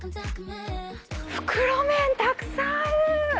袋麺たくさんある！